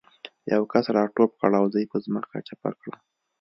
یو کس را ټوپ کړ او زه یې په ځمکه چپه کړم